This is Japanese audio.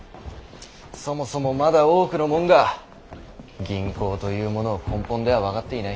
そもそもまだ多くの者が銀行というものを根本では分かっていない。